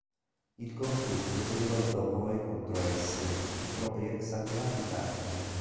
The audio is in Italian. Il conflitto si rivoltò poi contro essi, i propri ex-alleati tartari.